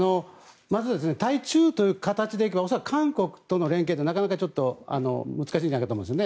まず対中という形でいえば韓国との連携はなかなか難しいんじゃないかと思います。